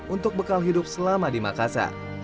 untuk bekal hidup selama di makassar